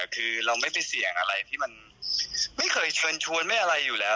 คือเราไม่ไปเสี่ยงอะไรที่มันไม่เคยเชิญชวนไม่อะไรอยู่แล้ว